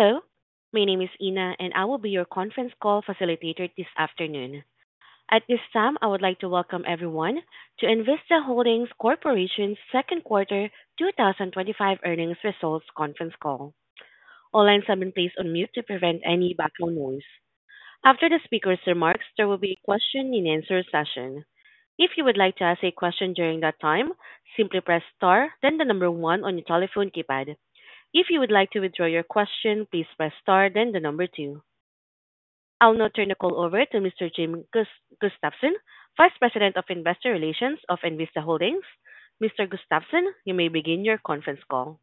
Hello. My name is Ina, and I will be your conference call facilitator this afternoon. At this time, I would like to welcome everyone to Envista Holdings Corporation's second quarter 2025 earnings results conference call. All lines have been placed on mute to prevent any background noise. After the speakers' remarks, there will be a question-and-answer session. If you would like to ask a question during that time, simply press star, then the number one on your telephone keypad. If you would like to withdraw your question, please press star, then the number two. I'll now turn the call over to Mr. Jim Gustafson, Vice President of Investor Relations of Envista Holdings Corporation. Mr. Gustafson, you may begin your conference call.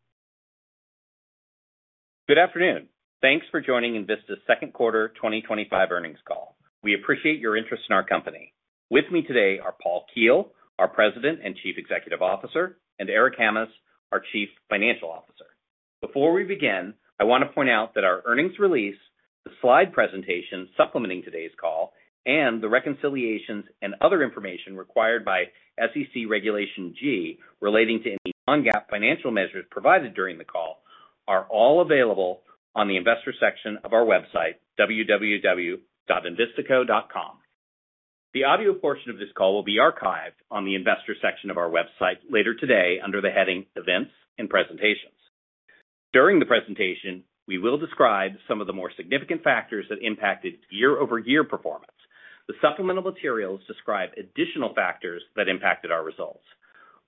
Good afternoon. Thanks for joining Envista's second quarter 2025 earnings call. We appreciate your interest in our company. With me today are Paul Keel, our President and Chief Executive Officer, and Eric Hammes, our Chief Financial Officer. Before we begin, I want to point out that our earnings release, the slide presentation supplementing today's call, and the reconciliations and other information required by SEC Regulation G relating to any non-GAAP financial measures provided during the call are all available on the Investor section of our website, www.envistaco.com. The audio portion of this call will be archived on the Investor section of our website later today under the heading Events and Presentations. During the presentation, we will describe some of the more significant factors that impacted year-over-year performance. The supplemental materials describe additional factors that impacted our results.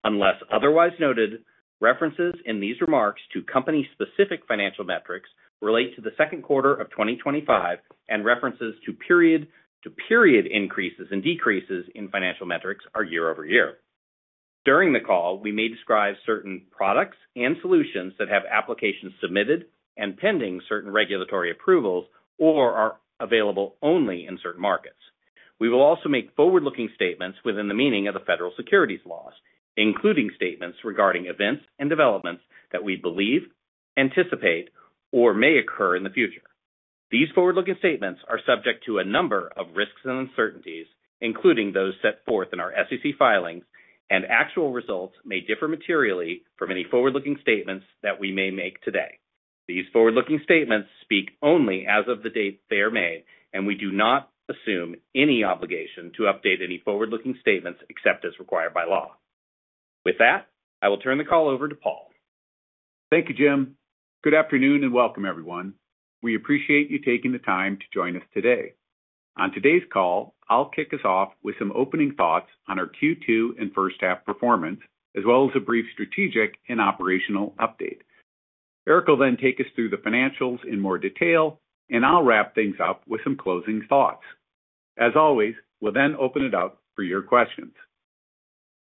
Unless otherwise noted, references in these remarks to company-specific financial metrics relate to the second quarter of 2025 and references to period-to-period increases and decreases in financial metrics are year-over-year. During the call, we may describe certain products and solutions that have applications submitted and pending certain regulatory approvals or are available only in certain markets. We will also make forward-looking statements within the meaning of the Federal Securities Laws, including statements regarding events and developments that we believe, anticipate, or may occur in the future. These forward-looking statements are subject to a number of risks and uncertainties, including those set forth in our SEC filings, and actual results may differ materially from any forward-looking statements that we may make today. These forward-looking statements speak only as of the date they are made, and we do not assume any obligation to update any forward-looking statements except as required by law. With that, I will turn the call over to Paul. Thank you, Jim. Good afternoon and welcome, everyone. We appreciate you taking the time to join us today. On today's call, I'll kick us off with some opening thoughts on our Q2 and first half performance, as well as a brief strategic and operational update. Eric will then take us through the financials in more detail, and I'll wrap things up with some closing thoughts. As always, we'll then open it up for your questions.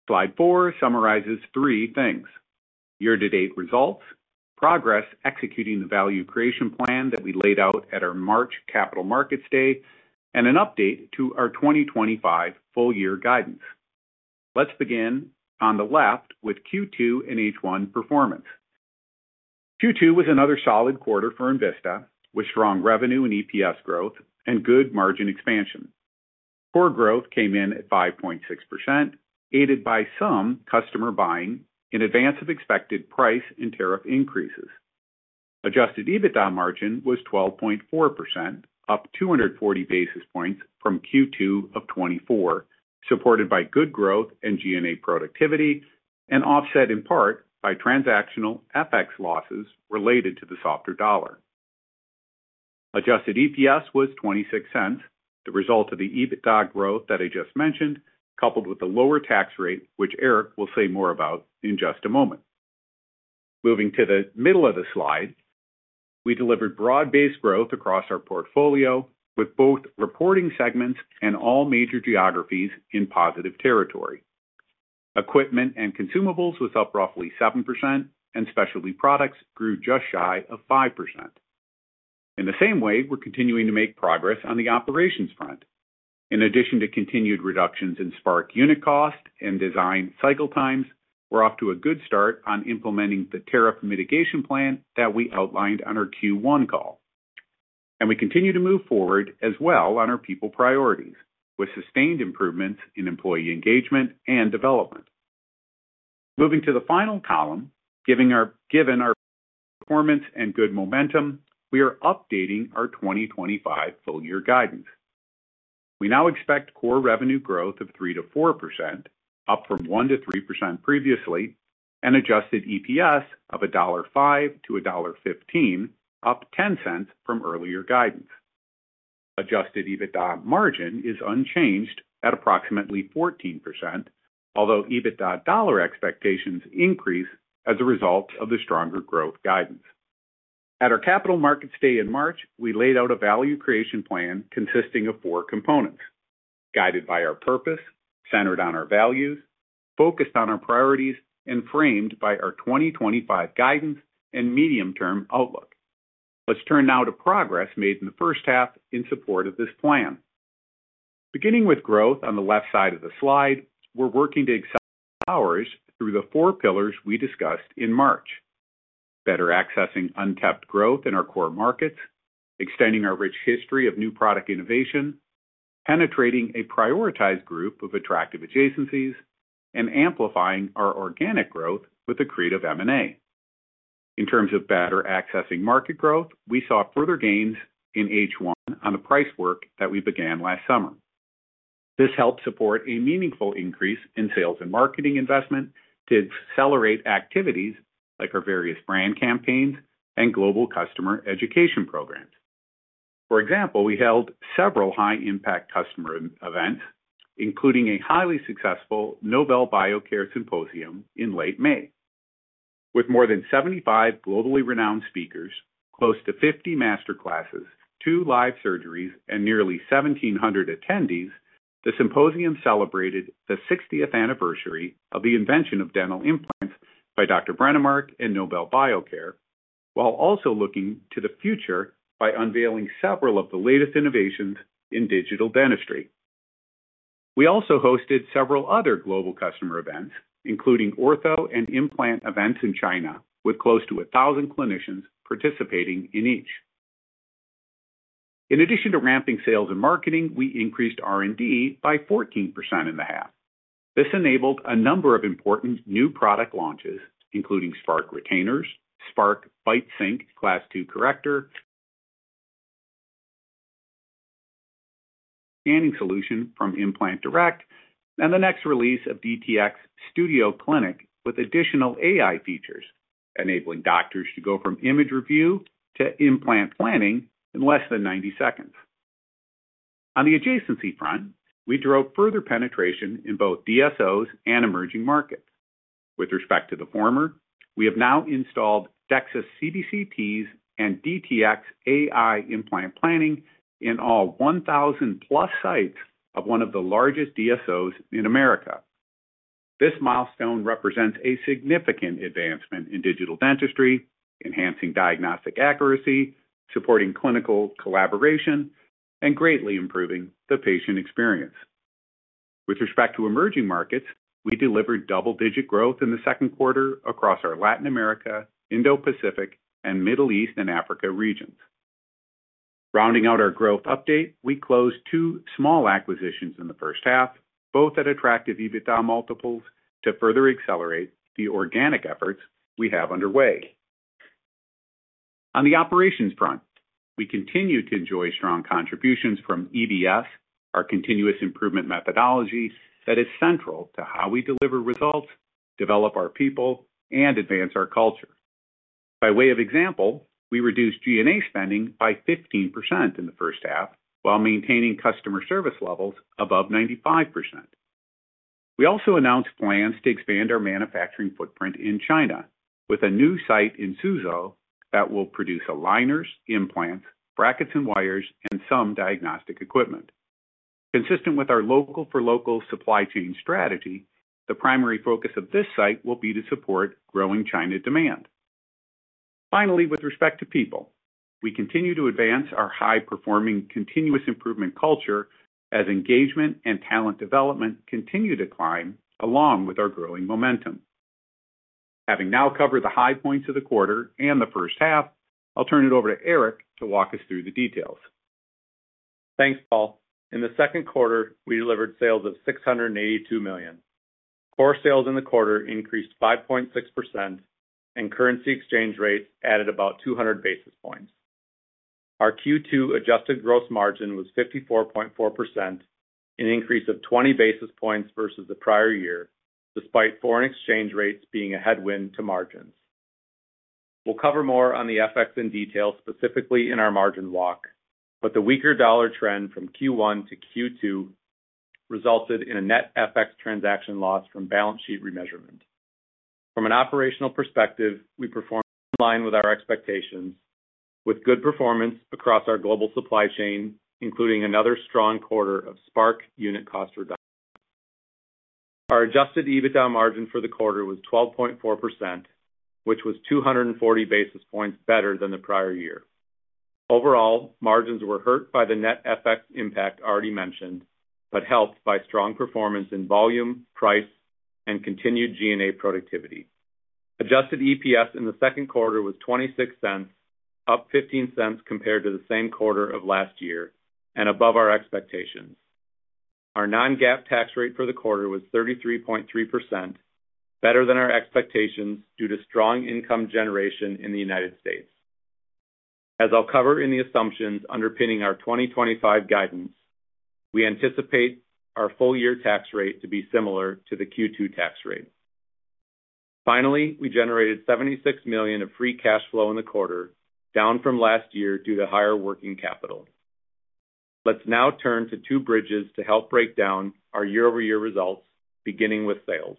Slide four summarizes three things: year-to-date results, progress executing the Value Creation Plan that we laid out at our March Capital Markets Day, and an update to our 2025 full-year guidance. Let's begin on the left with Q2 and H1 performance. Q2 was another solid quarter for Envista, with strong revenue and EPS growth and good margin expansion. Core growth came in at 5.6%, aided by some customer buying in advance of expected price and tariff increases. Adjusted EBITDA margin was 12.4%, up 240 basis points from Q2 of 2024, supported by good growth and G&A productivity and offset in part by transactional FX losses related to the softer dollar. Adjusted EPS was $0.26, the result of the EBITDA growth that I just mentioned, coupled with the lower tax rate, which Eric will say more about in just a moment. Moving to the middle of the slide, we delivered broad-based growth across our portfolio with both reporting segments and all major geographies in positive territory. Equipment and consumables was up roughly 7%, and specialty products grew just shy of 5%. In the same way, we're continuing to make progress on the operations front. In addition to continued reductions in Spark unit cost and design cycle times, we're off to a good start on implementing the tariff mitigation plan that we outlined on our Q1 call. We continue to move forward as well on our people priorities, with sustained improvements in employee engagement and development. Moving to the final column, given our performance and good momentum, we are updating our 2025 full-year guidance. We now expect core revenue growth of 3%-4%, up from 1%-3% previously, and adjusted EPS of $1.05-$1.15, up $0.10 from earlier guidance. Adjusted EBITDA margin is unchanged at approximately 14%, although EBITDA dollar expectations increase as a result of the stronger growth guidance. At our Capital Markets Day in March, we laid out a Value Creation Plan consisting of four components: guided by our purpose, centered on our values, focused on our priorities, and framed by our 2025 guidance and medium-term outlook. Let's turn now to progress made in the first half in support of this plan. Beginning with growth on the left side of the slide, we're working to accelerate ours through the four pillars we discussed in March: better accessing untapped growth in our core markets, extending our rich history of new product innovation, penetrating a prioritized group of attractive adjacencies, and amplifying our organic growth with the creative M&A. In terms of better accessing market growth, we saw further gains in H1 on the price work that we began last summer. This helped support a meaningful increase in sales and marketing investment to accelerate activities like our various brand campaigns and global customer education programs. For example, we held several high-impact customer events, including a highly successful Nobel Biocare Symposium in late May. With more than 75 globally renowned speakers, close to 50 master classes, two live surgeries, and nearly 1,700 attendees, the symposium celebrated the 60th anniversary of the invention of dental implants by Dr. Brånemark and Nobel Biocare, while also looking to the future by unveiling several of the latest innovations in digital dentistry. We also hosted several other global customer events, including ortho and implant events in China, with close to 1,000 clinicians participating in each. In addition to ramping sales and marketing, we increased R&D by 14% in the half. This enabled a number of important new product launches, including Spark Retainers, Spark BiteSync Class II Corrector, scanning solution from Implant Direct, and the next release of DTX Studio Clinic with additional AI features, enabling doctors to go from image review to implant planning in less than 90 seconds. On the adjacency front, we drove further penetration in both DSOs and emerging markets. With respect to the former, we have now installed DEXIS CBCTs and DTX AI implant planning in all 1,000+ sites of one of the largest DSOs in America. This milestone represents a significant advancement in digital dentistry, enhancing diagnostic accuracy, supporting clinical collaboration, and greatly improving the patient experience. With respect to emerging markets, we delivered double-digit growth in the second quarter across our Latin America, Indo-Pacific, and Middle East and Africa regions. Rounding out our growth update, we closed two small acquisitions in the first half, both at attractive EBITDA multiples to further accelerate the organic efforts we have underway. On the operations front, we continue to enjoy strong contributions from EDS, our Continuous Improvement Methodology that is central to how we deliver results, develop our people, and advance our culture. By way of example, we reduced G&A spending by 15% in the first half while maintaining customer service levels above 95%. We also announced plans to expand our manufacturing footprint in China with a new site in Suzhou that will produce aligners, implants, brackets, and wires, and some diagnostic equipment. Consistent with our local-for-local supply chain strategy, the primary focus of this site will be to support growing China demand. Finally, with respect to people, we continue to advance our high-performing continuous improvement culture as engagement and talent development continue to climb along with our growing momentum. Having now covered the high points of the quarter and the first half, I'll turn it over to Eric to walk us through the details. Thanks, Paul. In the second quarter, we delivered sales of $682 million. Core sales in the quarter increased 5.6%, and currency exchange rates added about 200 basis points. Our Q2 adjusted gross margin was 54.4%, an increase of 20 basis points versus the prior year, despite foreign exchange rates being a headwind to margins. We will cover more on the FX in detail specifically in our margin walk, but the weaker dollar trend from Q1 to Q2 resulted in a net FX transaction loss from balance sheet remeasurement. From an operational perspective, we performed in line with our expectations, with good performance across our global supply chain, including another strong quarter of Spark unit cost reduction. Our adjusted EBITDA margin for the quarter was 12.4%, which was 240 basis points better than the prior year. Overall, margins were hurt by the net FX impact already mentioned, but helped by strong performance in volume, price, and continued G&A productivity. Adjusted EPS in the second quarter was $0.26, up $0.15 compared to the same quarter of last year and above our expectations. Our non-GAAP tax rate for the quarter was 33.3%, better than our expectations due to strong income generation in the United States. As I will cover in the assumptions underpinning our 2025 guidance, we anticipate our full-year tax rate to be similar to the Q2 tax rate. Finally, we generated $76 million of free cash flow in the quarter, down from last year due to higher working capital. Let's now turn to two bridges to help break down our year-over-year results, beginning with sales.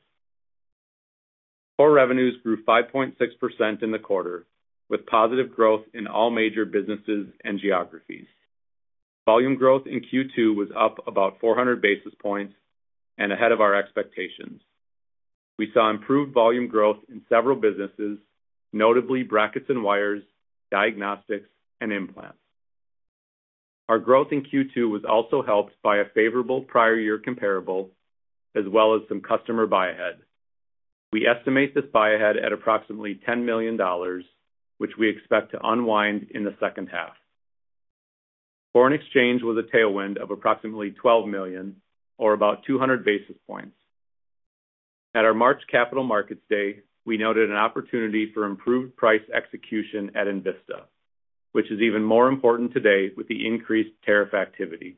Core revenues grew 5.6% in the quarter, with positive growth in all major businesses and geographies. Volume growth in Q2 was up about 400 basis points and ahead of our expectations. We saw improved volume growth in several businesses, notably brackets and wires, diagnostics, and implants. Our growth in Q2 was also helped by a favorable prior year comparable, as well as some customer buy-ahead. We estimate this buy-ahead at approximately $10 million, which we expect to unwind in the second half. Foreign exchange was a tailwind of approximately $12 million, or about 200 basis points. At our March Capital Markets Day, we noted an opportunity for improved price execution at Envista, which is even more important today with the increased tariff activity.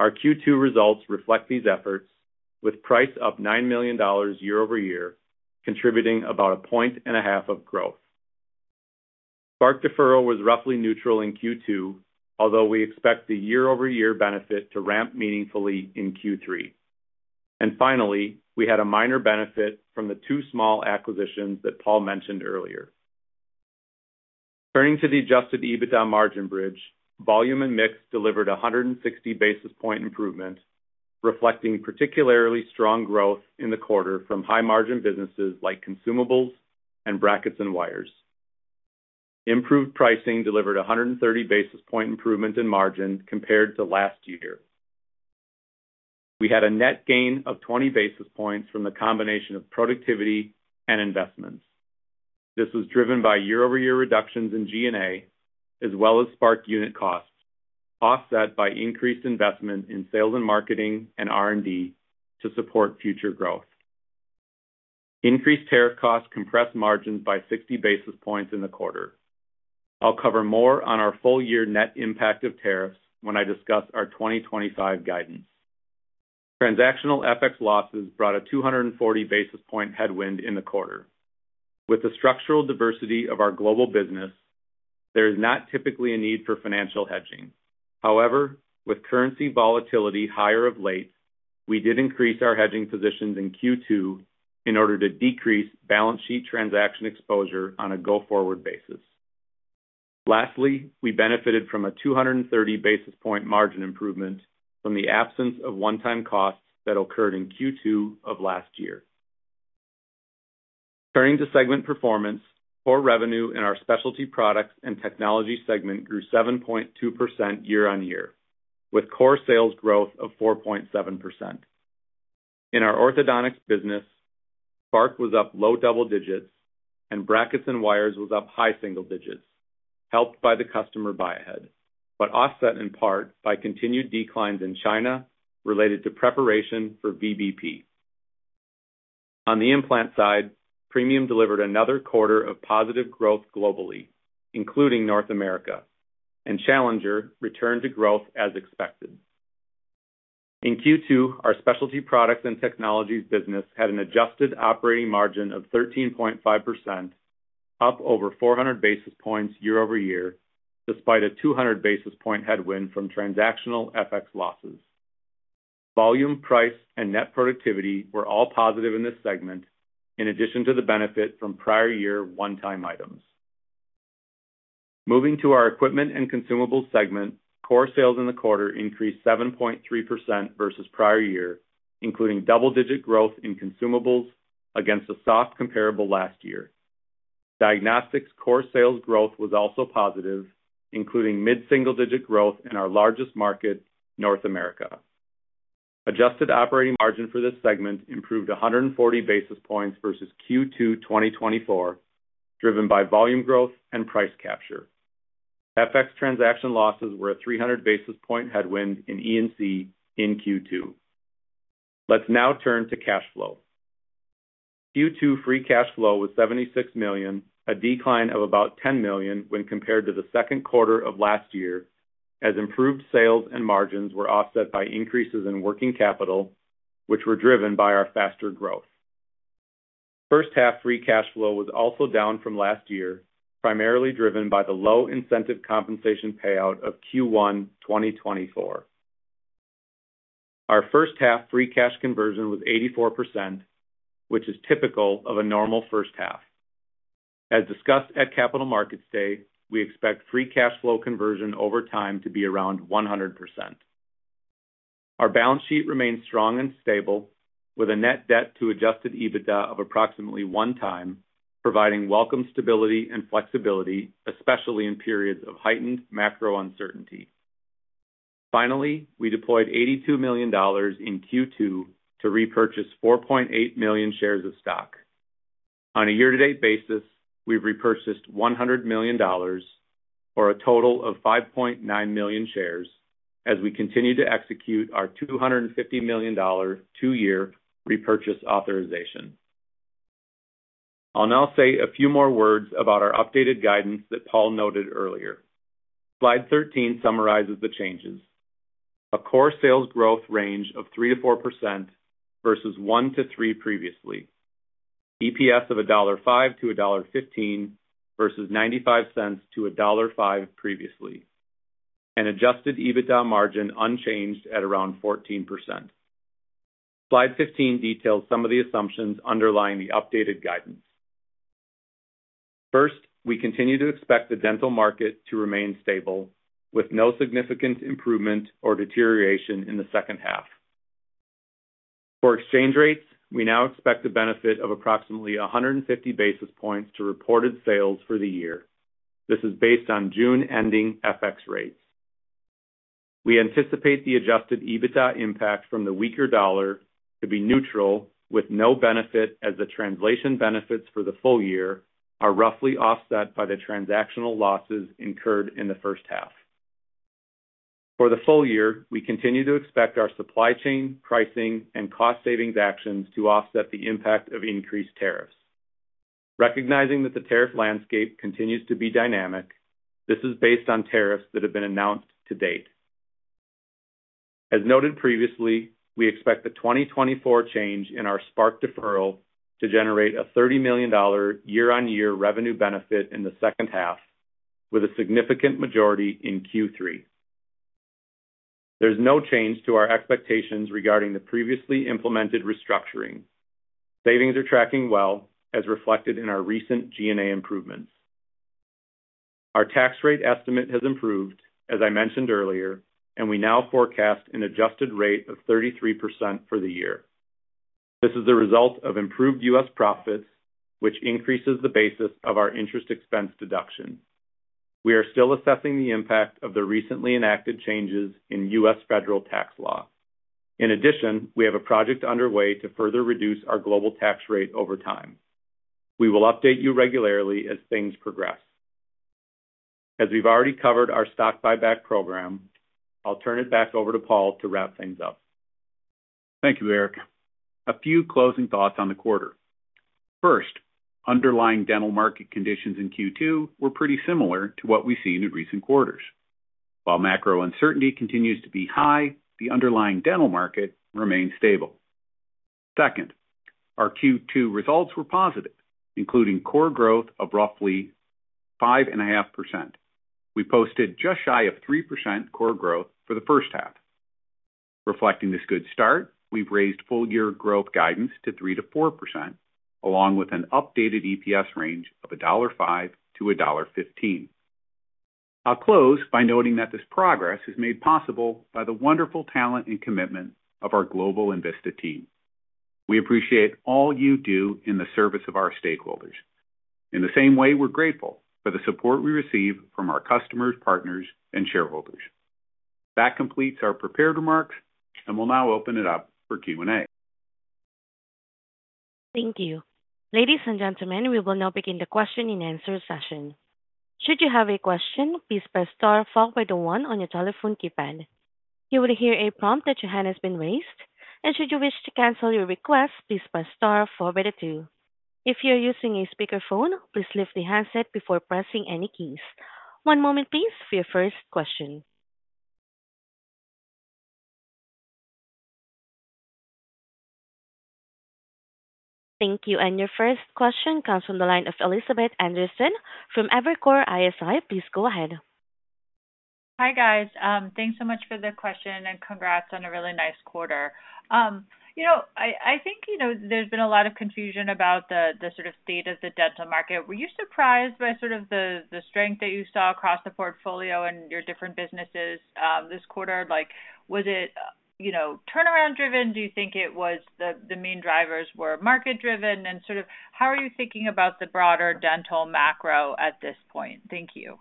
Our Q2 results reflect these efforts, with price up $9 million year-over-year, contributing about a point and a half of growth. Spark deferral was roughly neutral in Q2, although we expect the year-over-year benefit to ramp meaningfully in Q3. Finally, we had a minor benefit from the two small acquisitions that Paul mentioned earlier. Turning to the adjusted EBITDA margin bridge, volume and mix delivered a 160 basis point improvement, reflecting particularly strong growth in the quarter from high-margin businesses like consumables and brackets and wires. Improved pricing delivered a 130 basis point improvement in margin compared to last year. We had a net gain of 20 basis points from the combination of productivity and investments. This was driven by year-over-year reductions in G&A, as well as Spark unit costs, offset by increased investment in sales and marketing and R&D to support future growth. Increased tariff costs compressed margins by 60 basis points in the quarter. I will cover more on our full-year net impact of tariffs when I discuss our 2025 guidance. Transactional FX losses brought a 240 basis point headwind in the quarter. With the structural diversity of our global business, there is not typically a need for financial hedging. However, with currency volatility higher of late, we did increase our hedging positions in Q2 in order to decrease balance sheet transaction exposure on a go-forward basis. Lastly, we benefited from a 230 basis point margin improvement from the absence of one-time costs that occurred in Q2 of last year. Turning to segment performance, core revenue in our specialty products and technology segment grew 7.2% year on year, with core sales growth of 4.7%. In our orthodontics business, Spark was up low double digits, and brackets and wires was up high single digits, helped by the customer buy-ahead, but offset in part by continued declines in China related to preparation for VBP. On the implant side, premium delivered another quarter of positive growth globally, including North America, and Challenger returned to growth as expected. In Q2, our specialty products and technologies business had an adjusted operating margin of 13.5%, up over 400 basis points year-over-year, despite a 200 basis point headwind from transactional FX losses. Volume, price, and net productivity were all positive in this segment, in addition to the benefit from prior year one-time items. Moving to our equipment and consumables segment, core sales in the quarter increased 7.3% versus prior year, including double-digit growth in consumables against a soft comparable last year. Diagnostics core sales growth was also positive, including mid-single-digit growth in our largest market, North America. Adjusted operating margin for this segment improved 140 basis points versus Q2 2024, driven by volume growth and price capture. FX transaction losses were a 300 basis point headwind in E&C in Q2. Let's now turn to cash flow. Q2 free cash flow was $76 million, a decline of about $10 million when compared to the second quarter of last year, as improved sales and margins were offset by increases in working capital, which were driven by our faster growth. First half free cash flow was also down from last year, primarily driven by the low incentive compensation payout of Q1 2024. Our first half free cash conversion was 84%, which is typical of a normal first half. As discussed at Capital Markets Day, we expect free cash flow conversion over time to be around 100%. Our balance sheet remains strong and stable, with a net debt to adjusted EBITDA of approximately one time, providing welcome stability and flexibility, especially in periods of heightened macro uncertainty. Finally, we deployed $82 million in Q2 to repurchase 4.8 million shares of stock. On a year-to-date basis, we've repurchased $100 million, or a total of 5.9 million shares, as we continue to execute our $250 million two-year repurchase authorization. I'll now say a few more words about our updated guidance that Paul noted earlier. Slide 13 summarizes the changes: a core sales growth range of 3%-4% versus 1%-3% previously, EPS of $1.05-$1.15 versus $0.95-$1.05 previously, and adjusted EBITDA margin unchanged at around 14%. Slide 15 details some of the assumptions underlying the updated guidance. First, we continue to expect the dental market to remain stable, with no significant improvement or deterioration in the second half. For exchange rates, we now expect a benefit of approximately 150 basis points to reported sales for the year. This is based on June ending FX rates. We anticipate the adjusted EBITDA impact from the weaker dollar to be neutral, with no benefit as the translation benefits for the full year are roughly offset by the transactional losses incurred in the first half. For the full year, we continue to expect our supply chain pricing and cost savings actions to offset the impact of increased tariffs. Recognizing that the tariff landscape continues to be dynamic, this is based on tariffs that have been announced to date. As noted previously, we expect the 2024 change in our Spark deferral to generate a $30 million year-on-year revenue benefit in the second half, with a significant majority in Q3. There's no change to our expectations regarding the previously implemented restructuring. Savings are tracking well, as reflected in our recent G&A improvements. Our tax rate estimate has improved, as I mentioned earlier, and we now forecast an adjusted rate of 33% for the year. This is the result of improved U.S. profits, which increases the basis of our interest expense deduction. We are still assessing the impact of the recently enacted changes in U.S. federal tax law. In addition, we have a project underway to further reduce our global tax rate over time. We will update you regularly as things progress. As we've already covered our stock buyback program, I'll turn it back over to Paul to wrap things up. Thank you, Eric. A few closing thoughts on the quarter. First, underlying dental market conditions in Q2 were pretty similar to what we've seen in recent quarters. While macro uncertainty continues to be high, the underlying dental market remains stable. Second, our Q2 results were positive, including core growth of roughly 5.5%. We posted just shy of 3% core growth for the first half. Reflecting this good start, we've raised full-year growth guidance to 3%-4%, along with an updated EPS range of $1.05-$1.15. I'll close by noting that this progress is made possible by the wonderful talent and commitment of our global Envista team. We appreciate all you do in the service of our stakeholders. In the same way, we're grateful for the support we receive from our customers, partners, and shareholders. That completes our prepared remarks, and we'll now open it up for Q&A. Thank you. Ladies and gentlemen, we will now begin the question-and-answer session. Should you have a question, please press star followed by the one on your telephone keypad. You will hear a prompt that your hand has been raised, and should you wish to cancel your request, please press star followed by the two. If you're using a speaker phone, please lift the handset before pressing any keys. One moment, please, for your first question. Thank you, and your first question comes from the line of Elizabeth Anderson from Evercore ISI. Please go ahead. Hi, guys. Thanks so much for the question and congrats on a really nice quarter. I think you know there's been a lot of confusion about the sort of state of the dental market. Were you surprised by sort of the strength that you saw across the portfolio and your different businesses this quarter? Was it turnaround driven? Do you think the main drivers were market driven? How are you thinking about the broader dental macro at this point? Thank you.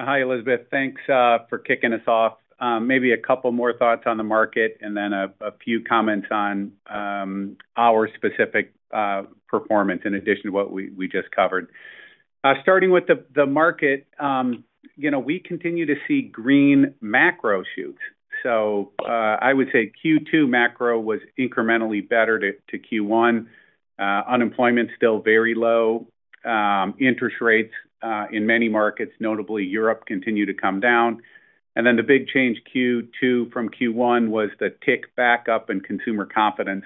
Hi, Elizabeth. Thanks for kicking us off. Maybe a couple more thoughts on the market and then a few comments on our specific performance in addition to what we just covered. Starting with the market, you know, we continue to see green macro shoots. I would say Q2 macro was incrementally better to Q1. Unemployment's still very low. Interest rates in many markets, notably Europe, continue to come down. The big change Q2 from Q1 was the tick back up in consumer confidence.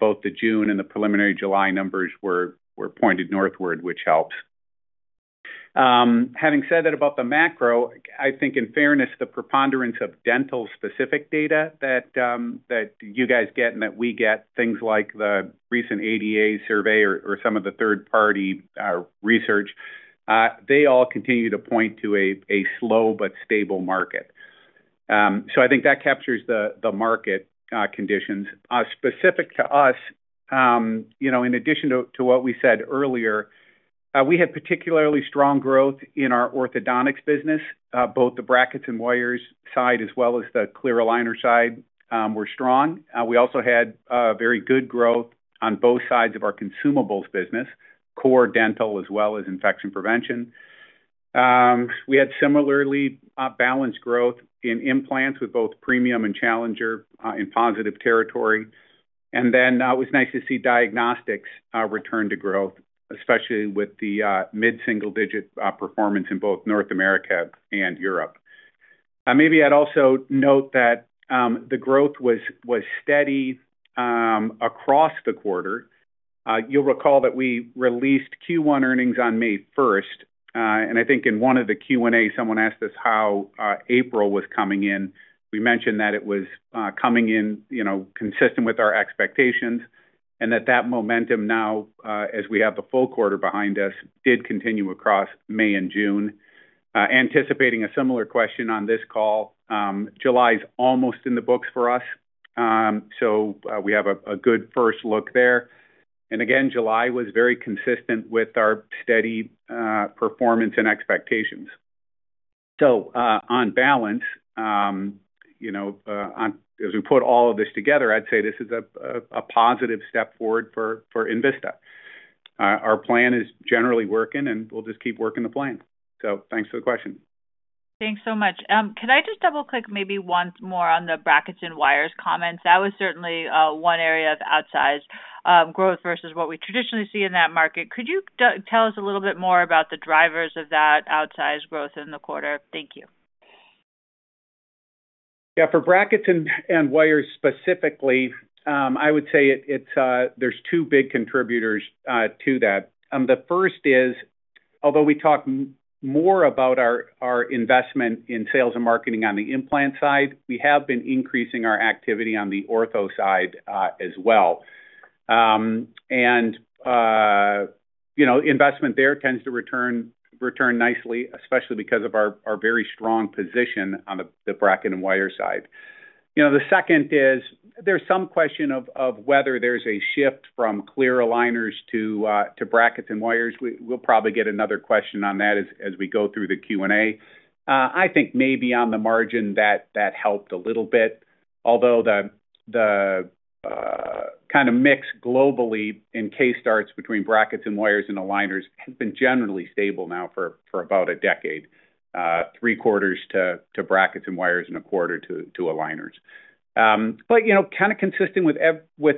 Both the June and the preliminary July numbers were pointed northward, which helps. Having said that about the macro, I think in fairness, the preponderance of dental-specific data that you guys get and that we get, things like the recent ADA survey or some of the third-party research, they all continue to point to a slow but stable market. I think that captures the market conditions. Specific to us, you know, in addition to what we said earlier, we had particularly strong growth in our orthodontics business. Both the brackets and wires side, as well as the clear aligner side, were strong. We also had very good growth on both sides of our consumables business, core dental as well as infection prevention. We had similarly balanced growth in implants with both premium and Challenger in positive territory. It was nice to see diagnostics return to growth, especially with the mid-single-digit performance in both North America and Europe. Maybe I'd also note that the growth was steady across the quarter. You'll recall that we released Q1 earnings on May 1. I think in one of the Q&A, someone asked us how April was coming in. We mentioned that it was coming in, you know, consistent with our expectations and that that momentum now, as we have the full quarter behind us, did continue across May and June. Anticipating a similar question on this call, July's almost in the books for us. We have a good first look there. Again, July was very consistent with our steady performance and expectations. On balance, you know, as we put all of this together, I'd say this is a positive step forward for Envista. Our plan is generally working, and we'll just keep working the plan. Thanks for the question. Thanks so much. Can I just double-click maybe once more on the brackets and wires comments? That was certainly one area of outsized growth versus what we traditionally see in that market. Could you tell us a little bit more about the drivers of that outsized growth in the quarter? Thank you. Yeah, for brackets and wires specifically, I would say there's two big contributors to that. The first is, although we talk more about our investment in sales and marketing on the implant side, we have been increasing our activity on the ortho side as well. Investment there tends to return nicely, especially because of our very strong position on the bracket and wire side. The second is there's some question of whether there's a shift from clear aligners to brackets and wires. We'll probably get another question on that as we go through the Q&A. I think maybe on the margin that helped a little bit, although the kind of mix globally in K-starts between brackets and wires and aligners has been generally stable now for about a decade, three quarters to brackets and wires and a quarter to aligners. Consistent with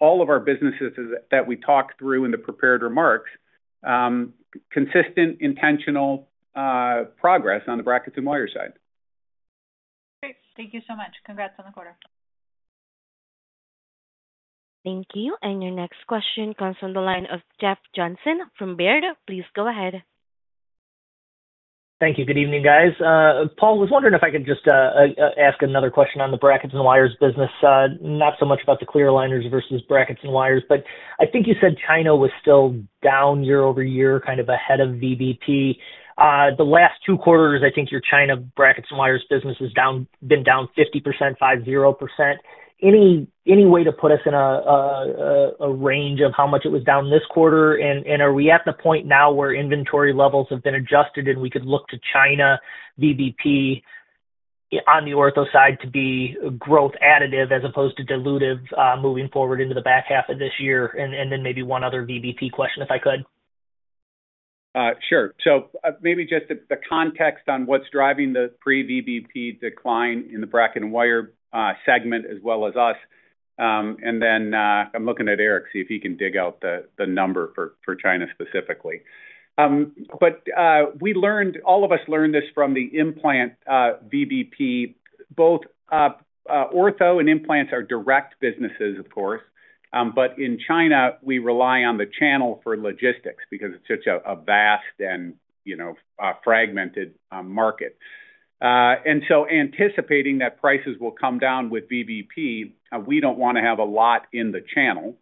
all of our businesses that we talked through in the prepared remarks, consistent intentional progress on the brackets and wire side. Great, thank you so much. Congrats on the quarter. Thank you. Your next question comes from the line of Jeff Johnson from Baird. Please go ahead. Thank you. Good evening, guys. Paul, was wondering if I could just ask another question on the brackets and wires business, not so much about the clear aligners versus brackets and wires, but I think you said China was still down year-over-year, kind of ahead of VBP. The last two quarters, I think your China brackets and wires business has been down 50%. Any way to put us in a range of how much it was down this quarter? Are we at the point now where inventory levels have been adjusted and we could look to China VBP on the ortho side to be a growth additive as opposed to dilutive moving forward into the back half of this year? Maybe one other VBP question if I could. Sure. Maybe just the context on what's driving the pre-VBP decline in the brackets and wires segment as well as us. I'm looking at Eric to see if he can dig out the number for China specifically. We learned, all of us learned this from the implant VBP. Both ortho and implants are direct businesses, of course. In China, we rely on the channel for logistics because it's such a vast and, you know, fragmented market. Anticipating that prices will come down with VBP, we don't want to have a lot in the channel.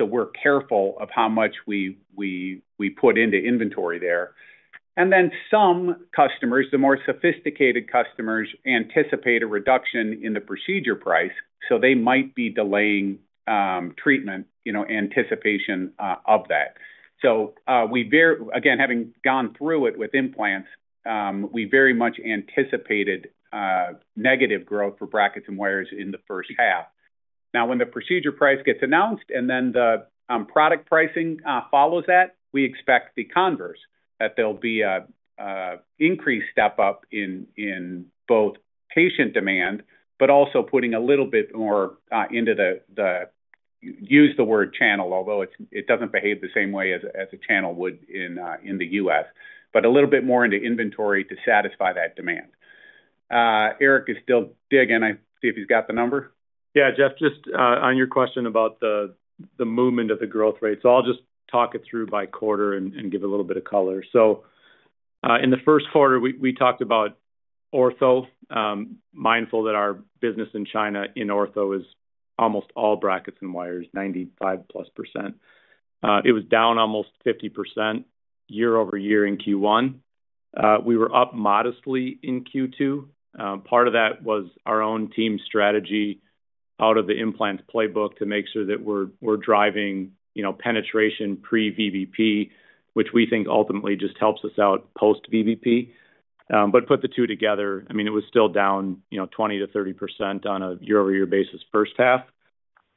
We're careful of how much we put into inventory there. Some customers, the more sophisticated customers, anticipate a reduction in the procedure price, so they might be delaying treatment in anticipation of that. Having gone through it with implants, we very much anticipated negative growth for brackets and wires in the first half. When the procedure price gets announced and then the product pricing follows that, we expect the converse, that there will be an increased step up in both patient demand, but also putting a little bit more into the channel, although it doesn't behave the same way as a channel would in the U.S., but a little bit more into inventory to satisfy that demand. Eric is still digging. I see if he's got the number. Yeah, Jeff, just on your question about the movement of the growth rate. I'll just talk it through by quarter and give a little bit of color. In the first quarter, we talked about ortho. Mindful that our business in China in ortho is almost all brackets and wires, 95%+. It was down almost 50% year-over-year in Q1. We were up modestly in Q2. Part of that was our own team strategy out of the implants playbook to make sure that we're driving penetration pre-VBP, which we think ultimately just helps us out post-VBP. Put the two together, it was still down 20%-30% on a year-over-year basis first half.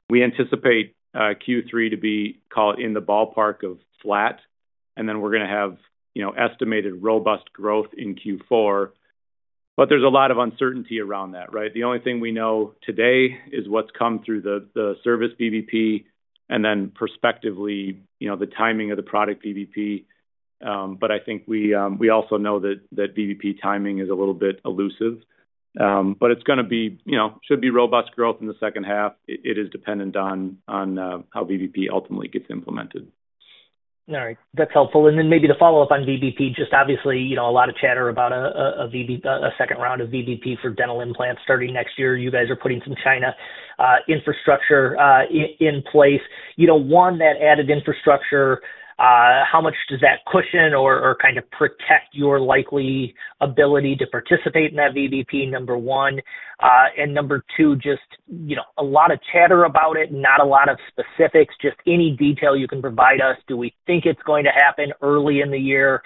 We anticipate Q3 to be in the ballpark of flat. We are going to have estimated robust growth in Q4. There is a lot of uncertainty around that, right? The only thing we know today is what's come through the service VBP and then perspectively, the timing of the product VBP. I think we also know that VBP timing is a little bit elusive. It is going to be, you know, should be robust growth in the second half. It is dependent on how VBP ultimately gets implemented. All right. That's helpful. Maybe to follow up on VBP, obviously, you know, a lot of chatter about a second round of VBP for dental implants starting next year. You guys are putting some China infrastructure in place. One, that added infrastructure, how much does that cushion or kind of protect your likely ability to participate in that VBP, number one? Number two, just, you know, a lot of chatter about it, not a lot of specifics, just any detail you can provide us. Do we think it's going to happen early in the year?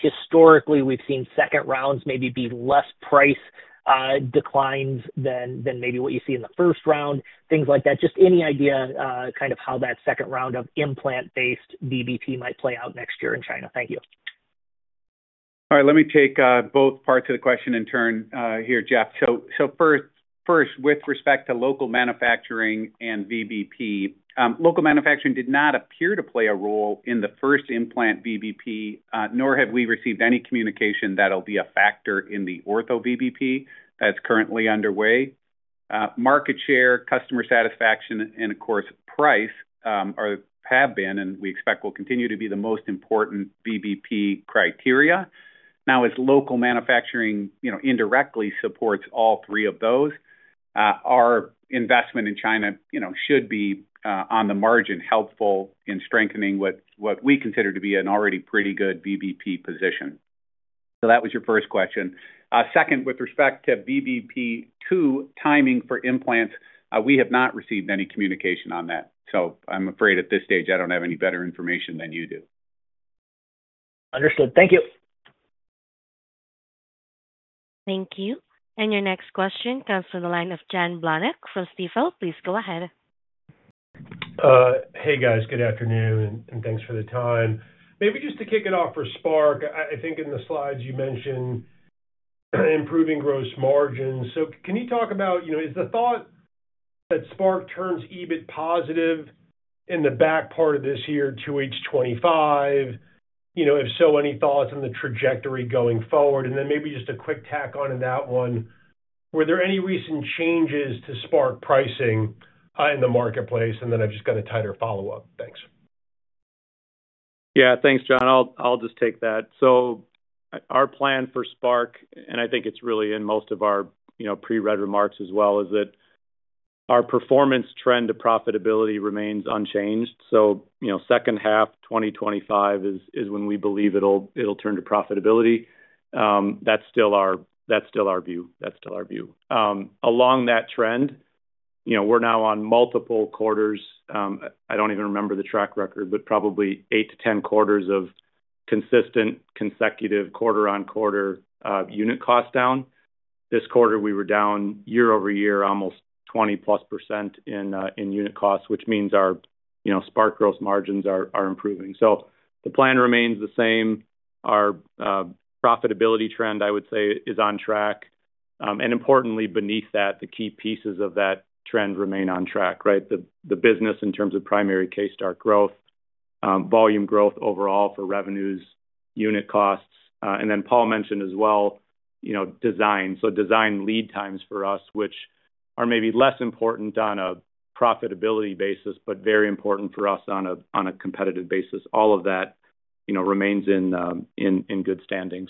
Historically, we've seen second rounds maybe be less price declines than maybe what you see in the first round, things like that. Just any idea kind of how that second round of implant-based VBP might play out next year in China. Thank you. All right. Let me take both parts of the question and turn here, Jeff. First, with respect to local manufacturing and VBP, local manufacturing did not appear to play a role in the first implant VBP, nor have we received any communication that'll be a factor in the ortho VBP that's currently underway. Market share, customer satisfaction, and of course, price have been, and we expect will continue to be the most important VBP criteria. As local manufacturing indirectly supports all three of those, our investment in China should be on the margin helpful in strengthening what we consider to be an already pretty good VBP position. That was your first question. With respect to VBP timing for implants, we have not received any communication on that. I'm afraid at this stage, I don't have any better information than you do. Understood. Thank you. Thank you. Your next question comes from the line of Jon Blahnik from Stifel. Please go ahead. Hey, guys. Good afternoon, and thanks for the time. Maybe just to kick it off for Spark, I think in the slides you mentioned improving gross margins. Can you talk about, you know, is the thought that Spark turns EBIT positive in the back part of this year to H25? If so, any thoughts on the trajectory going forward? Maybe just a quick tack on in that one. Were there any recent changes to Spark pricing in the marketplace? I've just got a tighter follow-up. Thanks. Yeah, thanks, Jon. I'll just take that. Our plan for Spark, and I think it's really in most of our pre-read remarks as well, is that our performance trend to profitability remains unchanged. Second half 2025 is when we believe it'll turn to profitability. That's still our view. Along that trend, we're now on multiple quarters, I don't even remember the track record, but probably eight to 10 quarters of consistent consecutive quarter-on-quarter unit cost down. This quarter, we were down year-over-year almost 20+% in unit costs, which means our Spark gross margins are improving. The plan remains the same. Our profitability trend, I would say, is on track. Importantly, beneath that, the key pieces of that trend remain on track, right? The business in terms of primary K-start growth, volume growth overall for revenues, unit costs, and then Paul mentioned as well, design. Design lead times for us, which are maybe less important on a profitability basis, but very important for us on a competitive basis. All of that remains in good standing.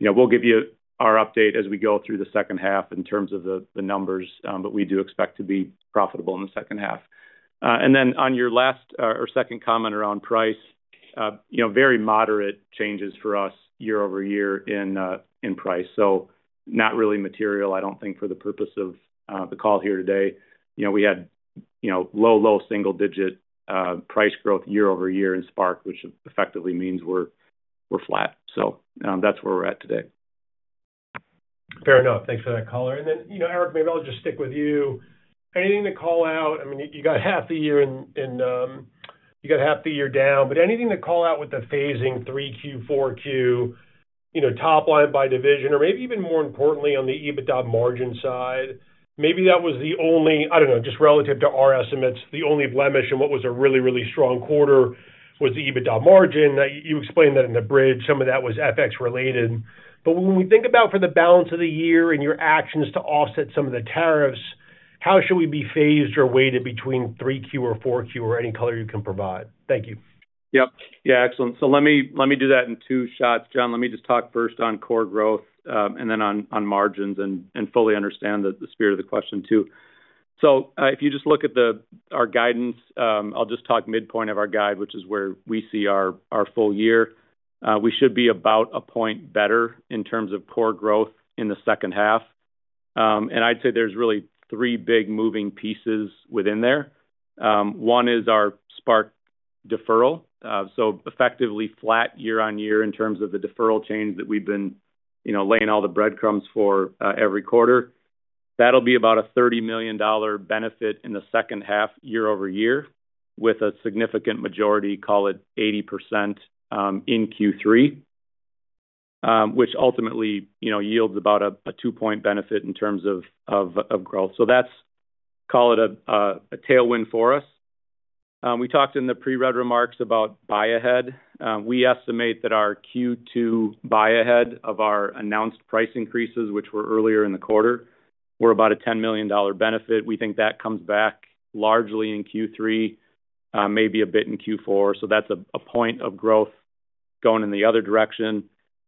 We'll give you our update as we go through the second half in terms of the numbers, but we do expect to be profitable in the second half. On your last or second comment around price, very moderate changes for us year-over-year in price. Not really material, I don't think, for the purpose of the call here today. We had low, low single-digit price growth year-over-year in Spark, which effectively means we're flat. That's where we're at today. Fair enough. Thanks for that caller. Eric, maybe I'll just stick with you. Anything to call out? I mean, you got half the year in, you got half the year down, but anything to call out with the phasing 3Q, 4Q, top line by division, or maybe even more importantly on the EBITDA margin side? Maybe that was the only, I don't know, just relative to our estimates, the only blemish in what was a really, really strong quarter was the EBITDA margin. You explained that in the bridge, some of that was FX related. When we think about for the balance of the year and your actions to offset some of the tariffs, how should we be phased or weighted between 3Q or 4Q or any color you can provide? Thank you. Yep. Yeah, excellent. Let me do that in two shots, Jon. Let me just talk first on core growth and then on margins. I fully understand the spirit of the question too. If you just look at our guidance, I'll just talk midpoint of our guide, which is where we see our full year. We should be about a point better in terms of core growth in the second half. I'd say there's really three big moving pieces within there. One is our Spark deferral. Effectively flat year on year in terms of the deferral change that we've been laying all the breadcrumbs for every quarter. That'll be about a $30 million benefit in the second half year-over-year with a significant majority, call it 80%, in Q3, which ultimately yields about a two-point benefit in terms of growth. That's a tailwind for us. We talked in the pre-read remarks about buy-ahead. We estimate that our Q2 buy-ahead of our announced price increases, which were earlier in the quarter, were about a $10 million benefit. We think that comes back largely in Q3, maybe a bit in Q4. That's a point of growth going in the other direction.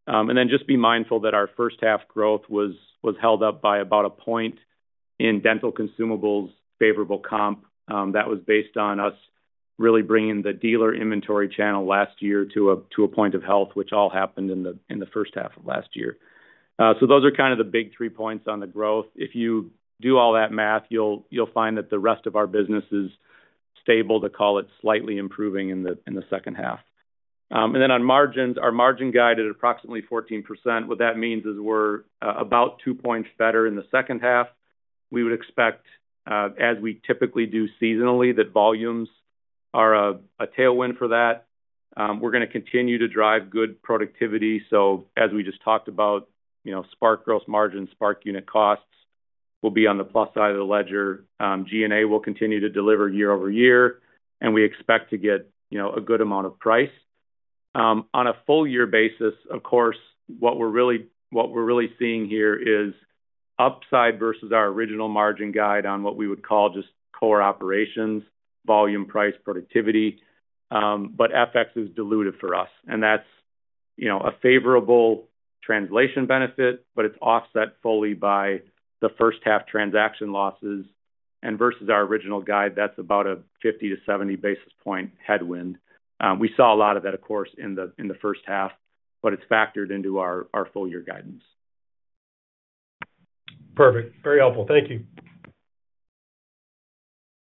Be mindful that our first half growth was held up by about a point in dental consumables favorable comp. That was based on us really bringing the dealer inventory channel last year to a point of health, which all happened in the first half of last year. Those are the big three points on the growth. If you do all that math, you'll find that the rest of our business is stable to slightly improving in the second half. On margins, our margin guide at approximately 14% means we're about two points better in the second half. We would expect, as we typically do seasonally, that volumes are a tailwind for that. We're going to continue to drive good productivity. As we just talked about, Spark gross margins, Spark unit costs will be on the plus side of the ledger. G&A will continue to deliver year-over-year, and we expect to get a good amount of price. On a full-year basis, what we're really seeing here is upside versus our original margin guide on what we would call just core operations, volume, price, productivity. FX is dilutive for us. That's a favorable translation benefit, but it's offset fully by the first half transaction losses. Versus our original guide, that's about a 50-70 basis point headwind. We saw a lot of that in the first half, but it's factored into our full-year guidance. Perfect. Very helpful. Thank you.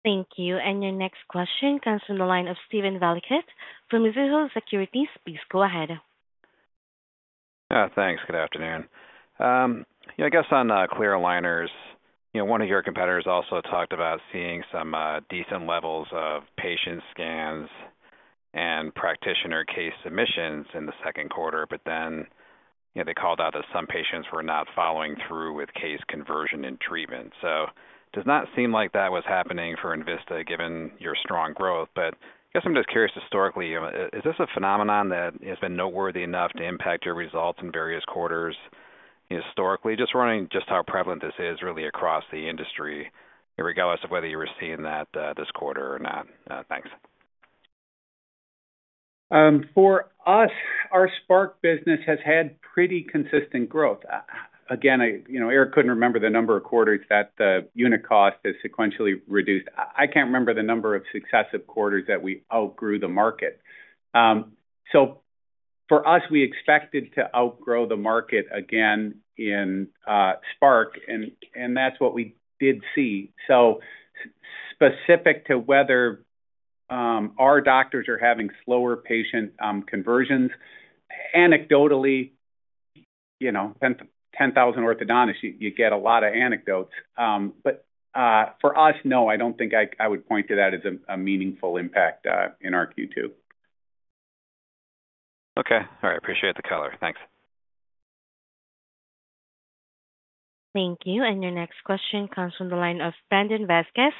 Thank you. Your next question comes from the line of Steven Valiquette from Mizuho Securities. Please go ahead. Yeah, thanks. Good afternoon. I guess on clear aligners, one of your competitors also talked about seeing some decent levels of patient scans and practitioner case submissions in the second quarter, but they called out that some patients were not following through with case conversion and treatment. Does not seem like that was happening for Envista given your strong growth, but I guess I'm just curious historically, is this a phenomenon that has been noteworthy enough to impact your results in various quarters? Historically, just wondering how prevalent this is really across the industry regardless of whether you were seeing that this quarter or not. Thanks. For us, our Spark business has had pretty consistent growth. Eric couldn't remember the number of quarters that the unit cost has sequentially reduced. I can't remember the number of successive quarters that we outgrew the market. For us, we expected to outgrow the market again in Spark, and that's what we did see. Specific to whether our doctors are having slower patient conversions, anecdotally, 10,000 orthodontists, you get a lot of anecdotes. For us, no, I don't think I would point to that as a meaningful impact in our Q2. Okay. All right. Appreciate the color. Thanks. Thank you. Your next question comes from the line of Brandon Vasquez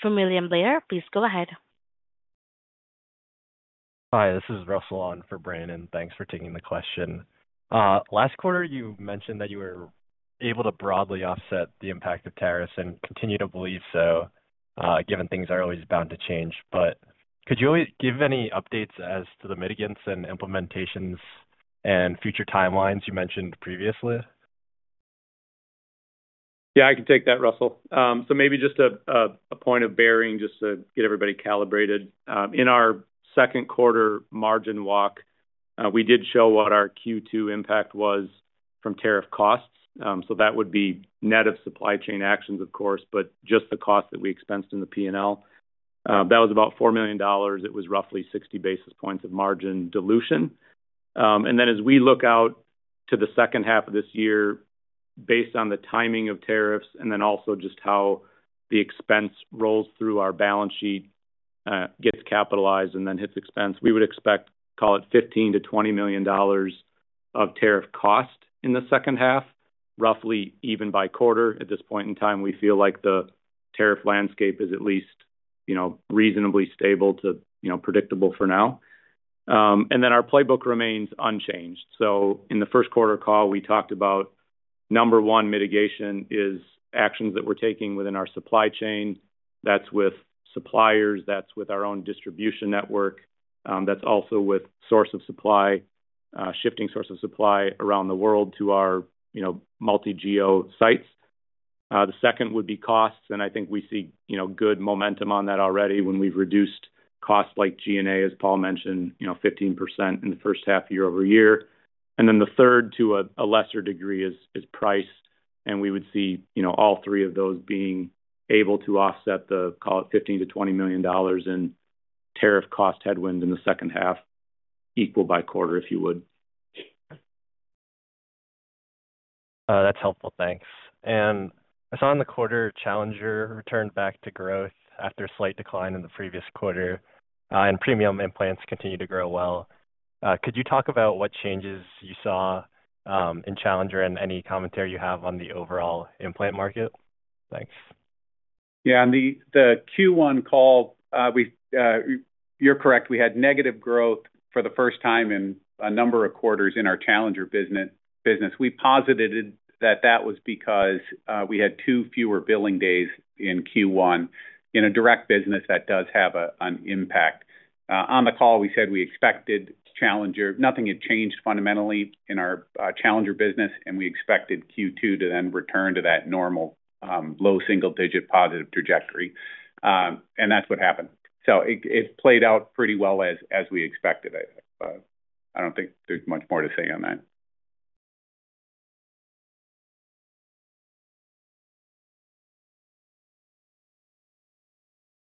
from William Blair. Please go ahead. Hi, this is Russell on for Brandon. Thanks for taking the question. Last quarter, you mentioned that you were able to broadly offset the impact of tariffs and continue to believe so, given things are always bound to change. Could you give any updates as to the mitigants and implementations and future timelines you mentioned previously? Yeah, I can take that, Russell. Maybe just a point of bearing just to get everybody calibrated. In our second quarter margin walk, we did show what our Q2 impact was from tariff costs. That would be net of supply chain actions, of course, but just the cost that we expensed in the P&L. That was about $4 million. It was roughly 60 basis points of margin dilution. As we look out to the second half of this year, based on the timing of tariffs and also just how the expense rolls through our balance sheet, gets capitalized, and then hits expense, we would expect, call it, $15 million-$20 million of tariff cost in the second half, roughly even by quarter. At this point in time, we feel like the tariff landscape is at least, you know, reasonably stable to, you know, predictable for now. Our playbook remains unchanged. In the first quarter call, we talked about number one mitigation is actions that we're taking within our supply chain. That's with suppliers. That's with our own distribution network. That's also with source of supply, shifting source of supply around the world to our, you know, multi-geo sites. The second would be costs, and I think we see, you know, good momentum on that already when we've reduced costs like G&A, as Paul mentioned, you know, 15% in the first half year-over-year. The third, to a lesser degree, is price. We would see, you know, all three of those being able to offset the, call it, $15 million-$20 million in tariff cost headwinds in the second half, equal by quarter, if you would. That's helpful. Thanks. I saw in the quarter, Challenger returned back to growth after a slight decline in the previous quarter, and premium implants continue to grow well. Could you talk about what changes you saw in Challenger and any commentary you have on the overall implant market? Thanks. Yeah, in the Q1 call, you're correct, we had negative growth for the first time in a number of quarters in our Challenger business. We posited that that was because we had two fewer billing days in Q1. In a direct business, that does have an impact. On the call, we said we expected Challenger, nothing had changed fundamentally in our Challenger business, and we expected Q2 to then return to that normal low single-digit positive trajectory. That is what happened. It played out pretty well as we expected. I don't think there's much more to say on that.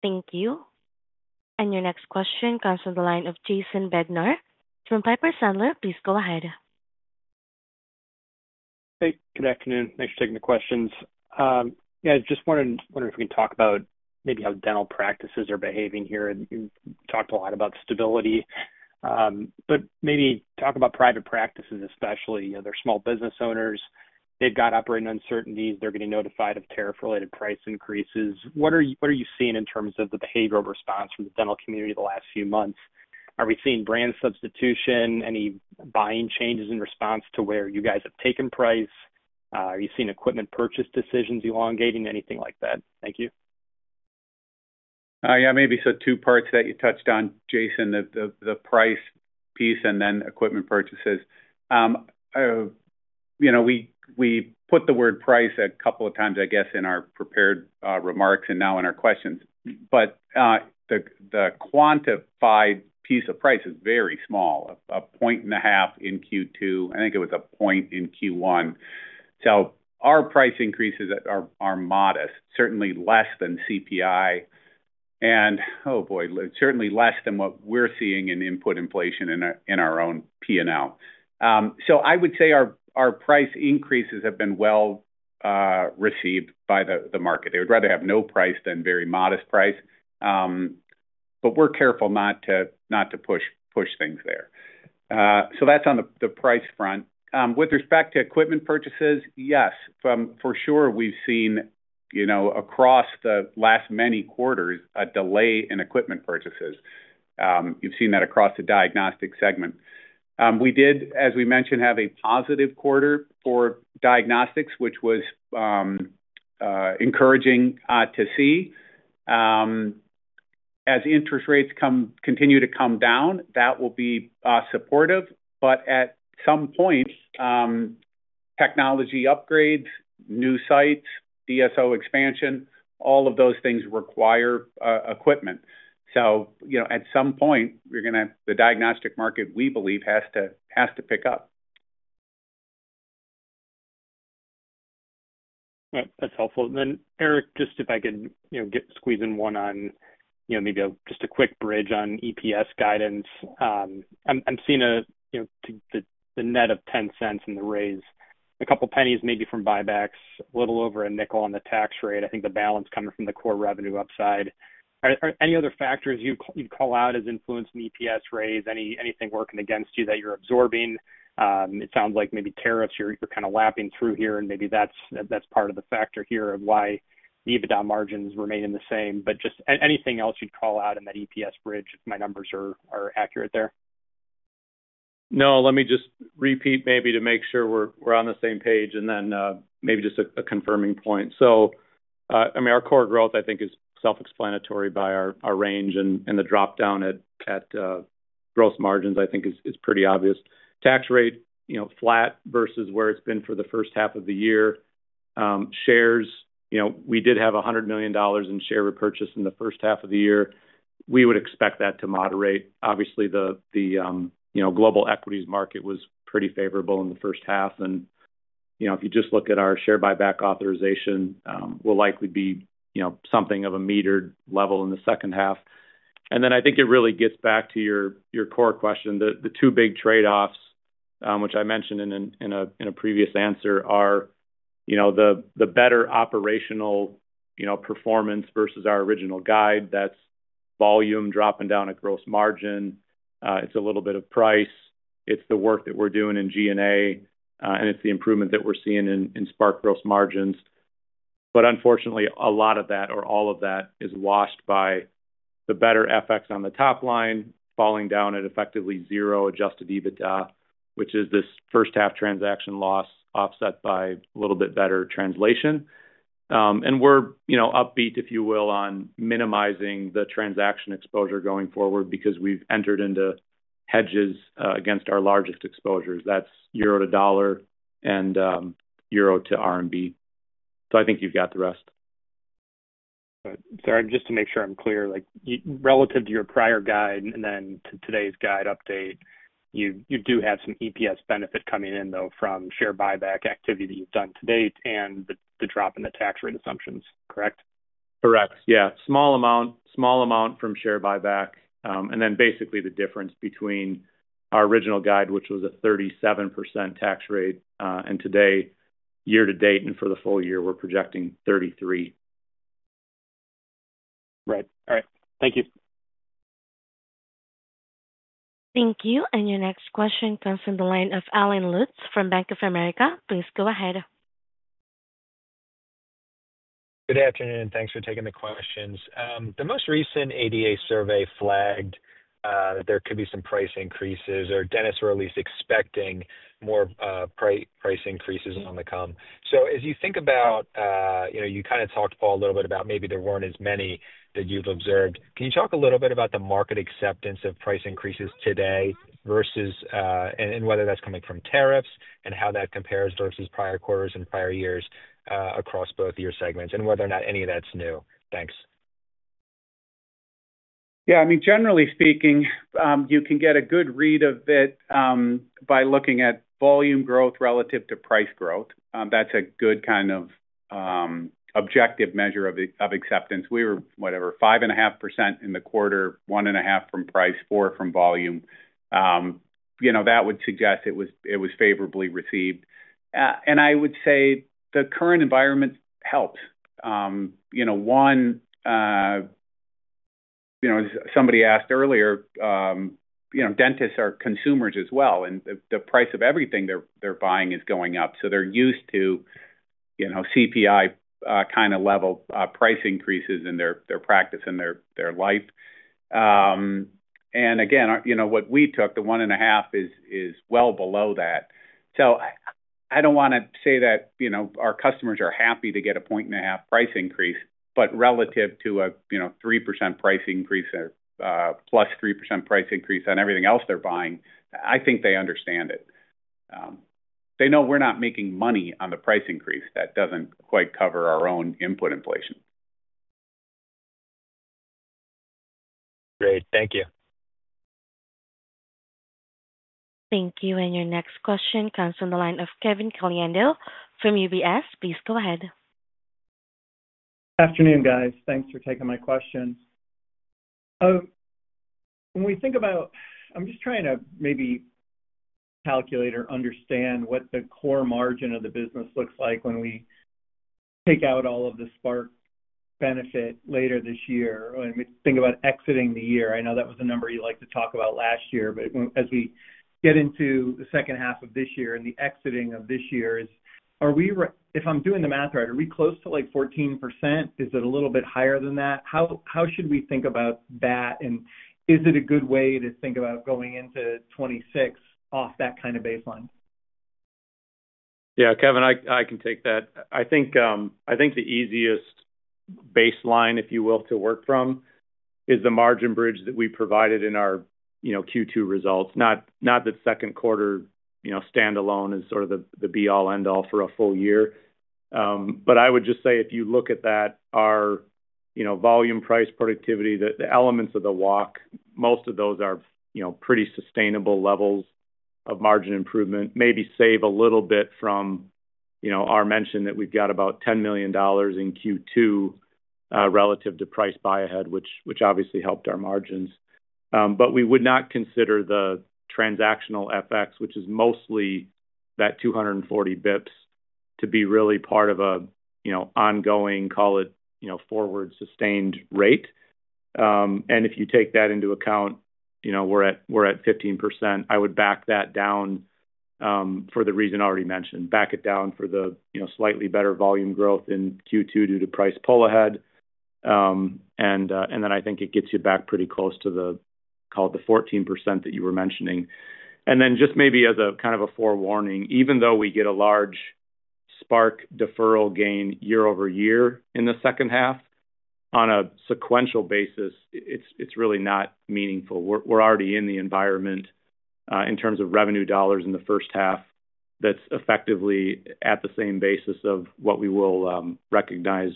Thank you. Your next question comes from the line of Jason Bednar from Piper Sandler. Please go ahead. Hey, good afternoon. Thanks for taking the questions. I just want to wonder if we can talk about maybe how dental practices are behaving here. You talked a lot about stability, but maybe talk about private practices especially. You know, they're small business owners. They've got operating uncertainties. They're getting notified of tariff-related price increases. What are you seeing in terms of the behavioral response from the dental community the last few months? Are we seeing brand substitution? Any buying changes in response to where you guys have taken price? Are you seeing equipment purchase decisions elongating? Anything like that? Thank you. Yeah, maybe two parts that you touched on, Jason, the price piece and then equipment purchases. We put the word price a couple of times, I guess, in our prepared remarks and now in our questions. The quantified piece of price is very small, a point and a half in Q2. I think it was a point in Q1. Our price increases are modest, certainly less than CPI, and certainly less than what we're seeing in input inflation in our own P&L. I would say our price increases have been well received by the market. They would rather have no price than very modest price, but we're careful not to push things there. That's on the price front. With respect to equipment purchases, yes, for sure we've seen across the last many quarters a delay in equipment purchases. You've seen that across the diagnostic segment. We did, as we mentioned, have a positive quarter for diagnostics, which was encouraging to see. As interest rates continue to come down, that will be supportive. At some point, technology upgrades, new sites, DSO expansion, all of those things require equipment. At some point, you're going to have the diagnostic market, we believe, has to pick up. That's helpful. Eric, just if I can squeeze in one on maybe just a quick bridge on EPS guidance. I'm seeing the net of $0.10 in the raise, a couple of pennies maybe from buybacks, a little over $0.05 on the tax rate. I think the balance coming from the core revenue upside. Are there any other factors you'd call out as influencing the EPS raise? Anything working against you that you're absorbing? It sounds like maybe tariffs you're kind of lapping through here, and maybe that's part of the factor here of why EBITDA margins remain the same. Just anything else you'd call out in that EPS bridge if my numbers are accurate there? Let me just repeat to make sure we're on the same page, and then maybe just a confirming point. Our core growth, I think, is self-explanatory by our range and the dropdown at gross margins, I think, is pretty obvious. Tax rate, you know, flat versus where it's been for the first half of the year. Shares, you know, we did have $100 million in share repurchase in the first half of the year. We would expect that to moderate. Obviously, the global equities market was pretty favorable in the first half. If you just look at our share buyback authorization, we'll likely be something of a metered level in the second half. I think it really gets back to your core question. The two big trade-offs, which I mentioned in a previous answer, are the better operational performance versus our original guide. That's volume dropping down at gross margin. It's a little bit of price. It's the work that we're doing in G&A and it's the improvement that we're seeing in Spark gross margins. Unfortunately, a lot of that or all of that is washed by the better FX on the top line falling down at effectively zero adjusted EBITDA, which is this first half transaction loss offset by a little bit better translation. We're upbeat, if you will, on minimizing the transaction exposure going forward because we've entered into hedges against our largest exposures. That's euro to dollar and euro to RMB. I think you've got the rest. Sorry, just to make sure I'm clear, like relative to your prior guide and then to today's guide update, you do have some EPS benefit coming in, though, from share buyback activity that you've done to date and the drop in the tax rate assumptions, correct? Correct. Yeah. Small amount, small amount from share buyback. Basically, the difference between our original guide, which was a 37% tax rate, and today, year to date and for the full year, we're projecting 33%. Right. All right. Thank you. Thank you. Your next question comes from the line of Allen Lutz from Bank of America. Please go ahead. Good afternoon. Thanks for taking the questions. The most recent ADA survey flagged that there could be some price increases or dentists were at least expecting more price increases on the come. As you think about, you kind of talked, Paul, a little bit about maybe there weren't as many that you've observed. Can you talk a little bit about the market acceptance of price increases today versus and whether that's coming from tariffs and how that compares versus prior quarters and prior years across both of your segments and whether or not any of that's new? Thanks. Yeah, I mean, generally speaking, you can get a good read of it by looking at volume growth relative to price growth. That's a good kind of objective measure of acceptance. We were 5.5% in the quarter, 1.5% from price, 4% from volume. That would suggest it was favorably received. I would say the current environment helps. One, as somebody asked earlier, dentists are consumers as well, and the price of everything they're buying is going up. They're used to CPI kind of level price increases in their practice and their life. What we took, the 1.5%, is well below that. I don't want to say that our customers are happy to get a point and a half price increase, but relative to a 3% price increase or +3% price increase on everything else they're buying, I think they understand it. They know we're not making money on the price increase that doesn't quite cover our own input inflation. Great, thank you. Thank you. Your next question comes from the line of Kevin Caliendo from UBS. Please go ahead. Good afternoon, guys. Thanks for taking my question. When we think about, I'm just trying to maybe calculate or understand what the core margin of the business looks like when we take out all of the Spark benefit later this year and we think about exiting the year. I know that was a number you liked to talk about last year. As we get into the second half of this year and the exiting of this year, are we, if I'm doing the math right, are we close to like 14%? Is it a little bit higher than that? How should we think about that? Is it a good way to think about going into 2026 off that kind of baseline? Yeah, Kevin, I can take that. I think the easiest baseline, if you will, to work from is the margin bridge that we provided in our Q2 results. Not that second quarter standalone is sort of the be-all-end-all for a full year. I would just say if you look at that, our volume price productivity, the elements of the walk, most of those are pretty sustainable levels of margin improvement, maybe save a little bit from our mention that we've got about $10 million in Q2 relative to price buy-ahead, which obviously helped our margins. We would not consider the transactional FX, which is mostly that 240 bps, to be really part of a forward sustained rate. If you take that into account, we're at 15%. I would back that down for the reason I already mentioned. Back it down for the slightly better volume growth in Q2 due to price pull-ahead. I think it gets you back pretty close to the 14% that you were mentioning. Maybe as a kind of a forewarning, even though we get a large Spark deferral gain year-over-year in the second half, on a sequential basis, it's really not meaningful. We're already in the environment in terms of revenue dollars in the first half that's effectively at the same basis of what we will recognize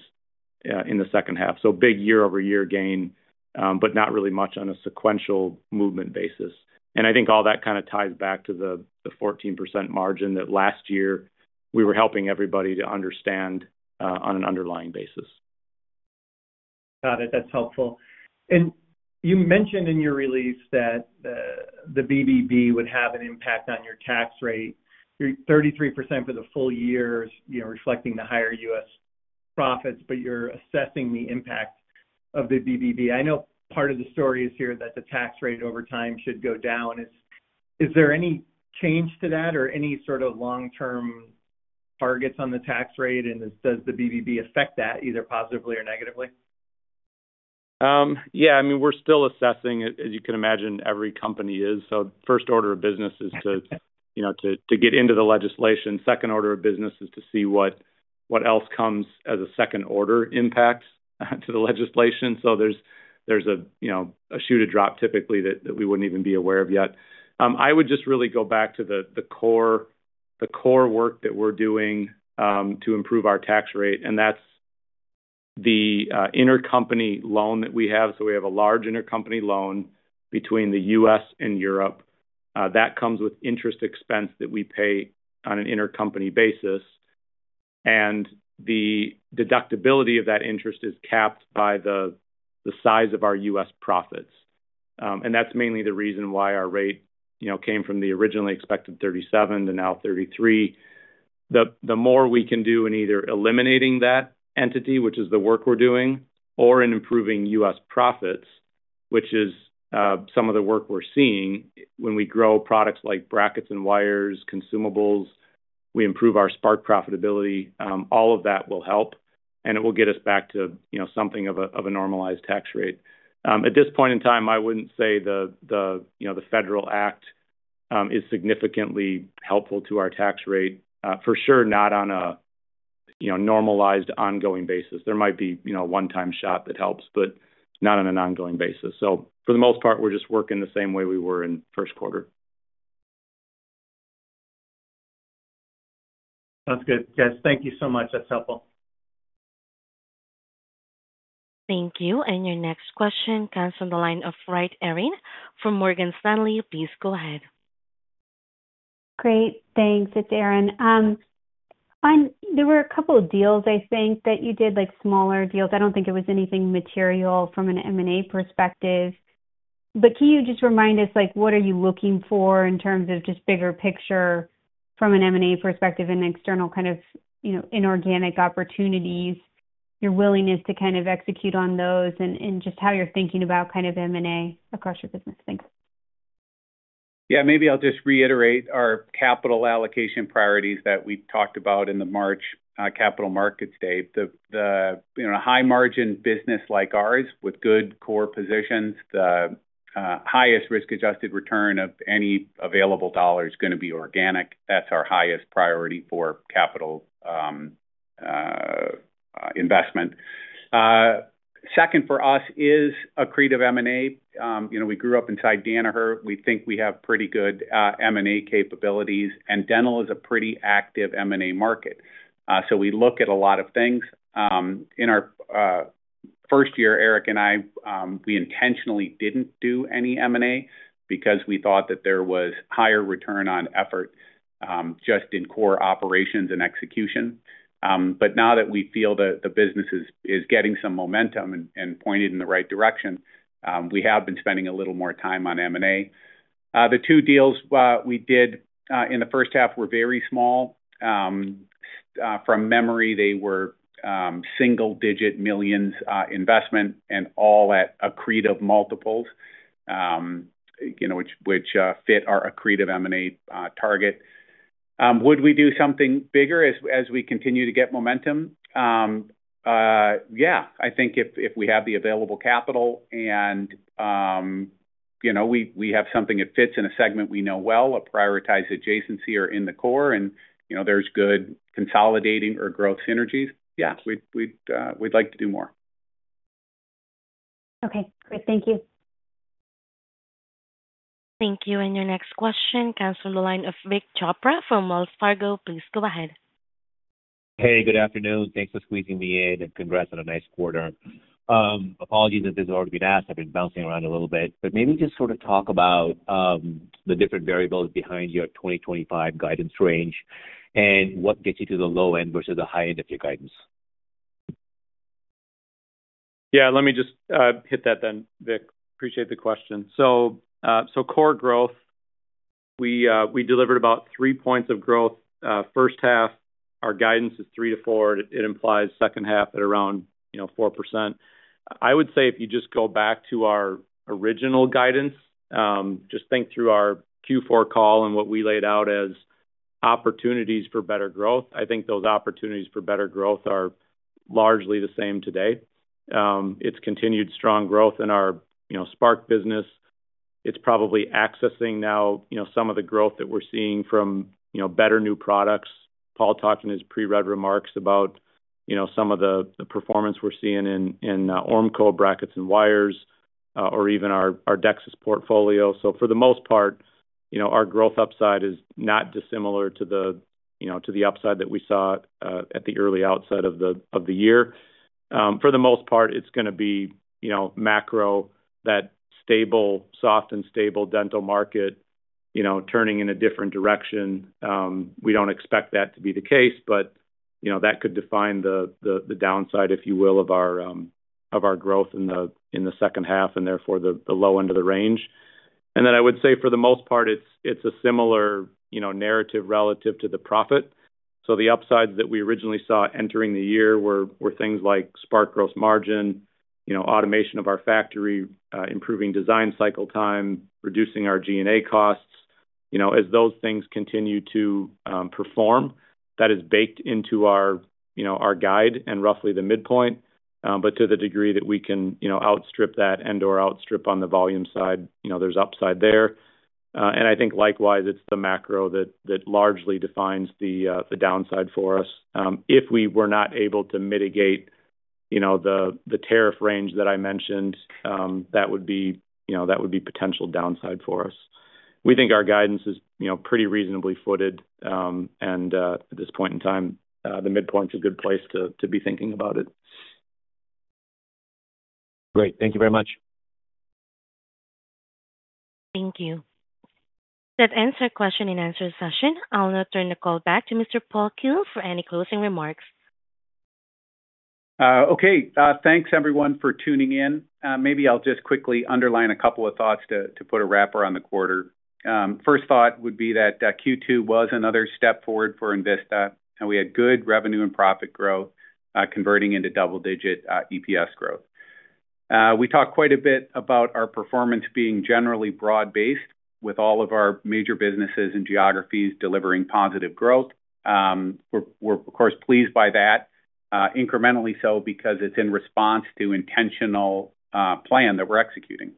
in the second half. Big year-over-year gain, but not really much on a sequential movement basis. I think all that kind of ties back to the 14% margin that last year we were helping everybody to understand on an underlying basis. Got it. That's helpful. You mentioned in your release that the BBB would have an impact on your tax rate. You're 33% for the full year, reflecting the higher U.S. profits, but you're assessing the impact of the BBB. I know part of the story is here that the tax rate over time should go down. Is there any change to that or any sort of long-term targets on the tax rate? Does the BBB affect that either positively or negatively? Yeah, I mean, we're still assessing, as you can imagine, every company is. The first order of business is to get into the legislation. The second order of business is to see what else comes as a second order impact to the legislation. There's a shoe to drop typically that we wouldn't even be aware of yet. I would just really go back to the core work that we're doing to improve our tax rate. That's the intercompany loan that we have. We have a large intercompany loan between the U.S. and Europe. That comes with interest expense that we pay on an intercompany basis. The deductibility of that interest is capped by the size of our U.S. profits. That's mainly the reason why our rate came from the originally expected 37% to now 33%. The more we can do in either eliminating that entity, which is the work we're doing, or in improving U.S. profits, which is some of the work we're seeing when we grow products like brackets and wires, consumables, we improve our Spark profitability, all of that will help. It will get us back to something of a normalized tax rate. At this point in time, I wouldn't say the federal act is significantly helpful to our tax rate. For sure, not on a normalized ongoing basis. There might be a one-time shot that helps, but not on an ongoing basis. For the most part, we're just working the same way we were in the first quarter. Sounds good, guys. Thank you so much. That's helpful. Thank you. Your next question comes from the line of Erin Wright from Morgan Stanley. Please go ahead. Great. Thanks. It's Erin. There were a couple of deals, I think, that you did, like smaller deals. I don't think it was anything material from an M&A perspective. Can you just remind us what you are looking for in terms of bigger picture from an M&A perspective and external inorganic opportunities, your willingness to execute on those, and how you're thinking about M&A across your business? Thanks. Yeah, maybe I'll just reiterate our capital allocation priorities that we talked about in the March Capital Markets Day. A high margin business like ours with good core positions, the highest risk-adjusted return of any available dollar is going to be organic. That's our highest priority for capital investment. Second for us is accretive M&A. We grew up inside Danaher. We think we have pretty good M&A capabilities. Dental is a pretty active M&A market. We look at a lot of things. In our first year, Eric and I intentionally didn't do any M&A because we thought that there was higher return on effort just in core operations and execution. Now that we feel that the business is getting some momentum and pointed in the right direction, we have been spending a little more time on M&A. The two deals we did in the first half were very small. From memory, they were single-digit millions investment and all at accretive multiples, which fit our accretive M&A target. Would we do something bigger as we continue to get momentum? Yeah, I think if we have the available capital and we have something that fits in a segment we know well, a prioritized adjacency or in the core, and there's good consolidating or growth synergies, yeah, we'd like to do more. Okay. Great. Thank you. Your next question comes from the line of Vik Chopra from Wells Fargo. Please go ahead. Hey, good afternoon. Thanks for squeezing me in and congrats on a nice quarter. Apologies if this has already been asked. I've been bouncing around a little bit. Maybe just sort of talk about the different variables behind your 2025 guidance range and what gets you to the low end versus the high end of your guidance. Let me just hit that then, Vic. Appreciate the question. Core growth, we delivered about 3% growth. First half, our guidance is 3%-4%. It implies second half at around 4%. If you just go back to our original guidance, just think through our Q4 call and what we laid out as opportunities for better growth. Those opportunities for better growth are largely the same today. It's continued strong growth in our Spark business. It's probably accessing now some of the growth that we're seeing from better new products. Paul talked in his pre-read remarks about some of the performance we're seeing in Ormco brackets and wires or even our DEXIS portfolio. For the most part, our growth upside is not dissimilar to the upside that we saw at the early outset of the year. For the most part, it's going to be macro, that stable, soft and stable dental market, turning in a different direction. We don't expect that to be the case, but that could define the downside, if you will, of our growth in the second half and therefore the low end of the range. I would say for the most part, it's a similar narrative relative to the profit. The upsides that we originally saw entering the year were things like Spark gross margin, automation of our factory, improving design cycle time, reducing our G&A costs. As those things continue to perform, that is baked into our guide and roughly the midpoint. To the degree that we can outstrip that and/or outstrip on the volume side, there's upside there. I think likewise, it's the macro that largely defines the downside for us. If we were not able to mitigate the tariff range that I mentioned, that would be potential downside for us. We think our guidance is pretty reasonably footed. At this point in time, the midpoint's a good place to be thinking about it. Great, thank you very much. Thank you. That concludes the question-and-answer session. I'll now turn the call back to Mr. Paul Keel for any closing remarks. Okay. Thanks, everyone, for tuning in. Maybe I'll just quickly underline a couple of thoughts to put a wrapper on the quarter. First thought would be that Q2 was another step forward for Envista. We had good revenue and profit growth converting into double-digit EPS growth. We talked quite a bit about our performance being generally broad-based with all of our major businesses and geographies delivering positive growth. We're, of course, pleased by that, incrementally so because it's in response to an intentional plan that we're executing.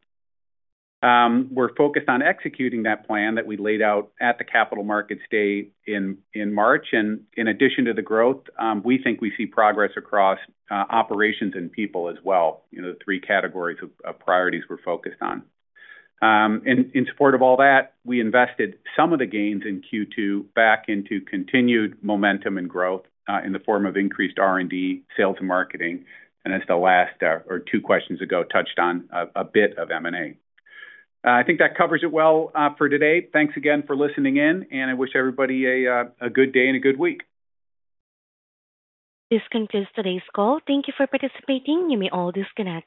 We're focused on executing that plan that we laid out at the Capital Markets Day in March. In addition to the growth, we think we see progress across operations and people as well. You know, the three categories of priorities we're focused on. In support of all that, we invested some of the gains in Q2 back into continued momentum and growth in the form of increased R&D, sales and marketing. As the last or two questions ago touched on a bit of M&A. I think that covers it well for today. Thanks again for listening in. I wish everybody a good day and a good week. This concludes today's call. Thank you for participating. You may all disconnect.